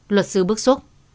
luật sư bức xúc